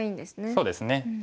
そうですね。